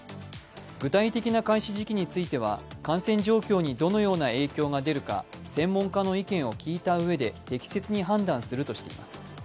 具体的な開始時期については感染状況にどのような影響が出るか専門家の意見を聞いたうえで適切に判断するとしています。